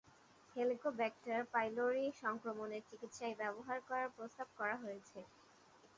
Helicobacter pylori সংক্রমণের চিকিৎসায় ব্যবহার করার প্রস্তাব করা হয়েছে।